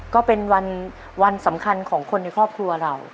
ก็เป็นวันสำคัญของคนในครอบครัวเรา